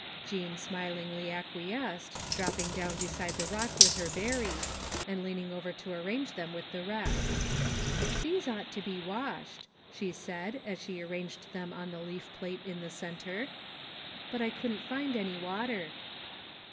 " Jean smilingly acquiesced, dropping down beside the rock with her berries, and leaning over to arrange them with the rest. " These ought to be washed," she said as she arranged them on the leaf plate in the centre, " but I couldn't find any water."